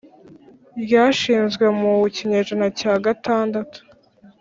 ryashinzwe mu kinyejana cya gatandatu ,